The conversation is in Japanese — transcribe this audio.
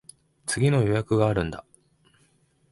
次の予約があるんだ。